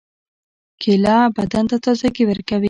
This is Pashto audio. کېله بدن ته تازګي ورکوي.